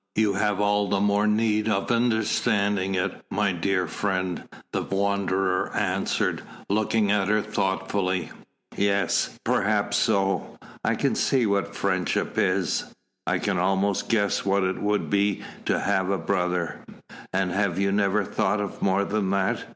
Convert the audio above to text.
"You have all the more need of understanding it, my dear friend," the Wanderer answered, looking at her thoughtfully. "Yes perhaps so. I can see what friendship is. I can almost guess what it would be to have a brother." "And have you never thought of more than that?"